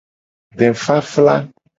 Defafla.